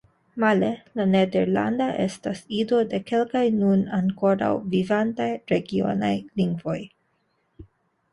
Male, la nederlanda estas ido de kelkaj nun ankoraŭ vivantaj regionaj lingvoj.